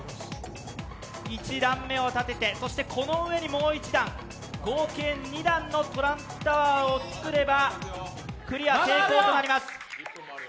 １段目を立てて、そしてこの上にもう１段、合計２段のトランプタワーを作れば、クリア成功となります。